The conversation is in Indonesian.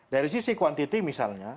dari sisi kuantiti misalnya